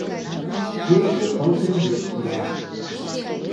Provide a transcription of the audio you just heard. Кече пыл шеҥгек пура.